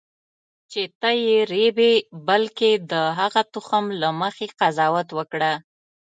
چې ته یې رېبې بلکې د هغه تخم له مخې قضاوت وکړه.